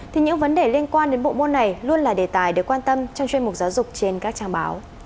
thì những vấn đề liên quan đến bộ môn này luôn là đề tài được quan tâm trong chuyên mục giáo dục trên các trang báo